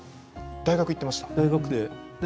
大学に行っていました。